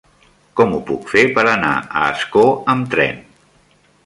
Com ho puc fer per anar a Ascó amb tren?